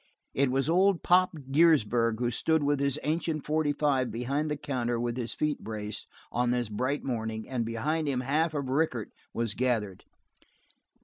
It was old Pop Giersberg who stood with his ancient forty five behind the counter, with his feet braced, on this bright morning, and behind him half of Rickett was gathered.